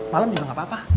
malem juga gak apa apa